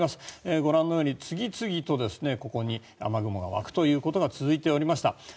ご覧のように次々とここに雨雲が湧くということが続いておりました。